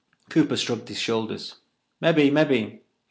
Cooper shrugged his shoulders. "Mebbe—mebbe.